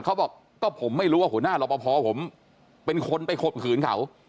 เขาบอกก็ผมไม่รู้ว่าหัวหน้ารอปภผมเป็นคนไปข่มขืนเขา